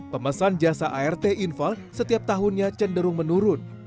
pemesan jasa art infal setiap tahunnya cenderung menurun